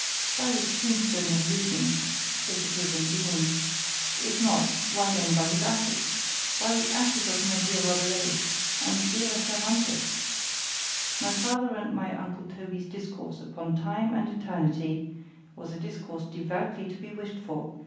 —By the tomb stone of Lucian——if it is in being——if not, why then by his ashes! by the ashes of my dear Rabelais, and dearer Cervantes!——my father and my uncle Toby's discourse upon TIME and ETERNITY——was a discourse devoutly to be wished for!